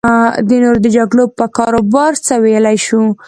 د نورو د جګړو پر کاروبار څه ویلی شو.